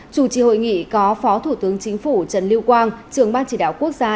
chủ trì hội nghị có phó thủ tướng chính phủ trần lưu quang trưởng ban chỉ đạo quốc gia